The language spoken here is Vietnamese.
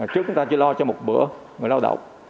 trước chúng ta chỉ lo cho một bữa người lao động